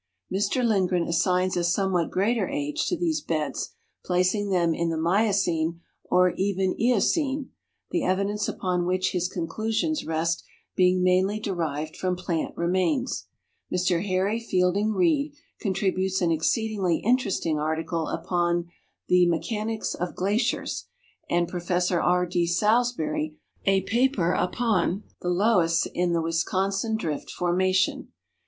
Mr Lind gren assigns a somewhat greater age to these beds, placing them in the Miocene or even Eocene, the evidence upon which his conclusions rest being mainly derived from i)Iant remains. Mr Harry Fieliling Keid contributes an exceedingly interesting article upon the "Mechanics of Glaciers," and Prof. R. D. Salisbury a paperupon " The Loe ss in the Wis consin Drift Formation."